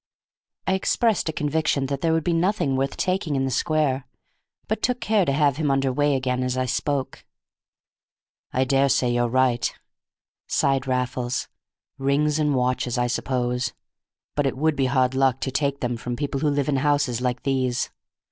I expressed a conviction that there would be nothing worth taking in the square, but took care to have him under way again as I spoke. "I daresay you're right," sighed Raffles. "Rings and watches, I suppose, but it would be hard luck to take them from people who live in houses like these.